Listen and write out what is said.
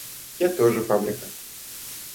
Я тоже фабрика.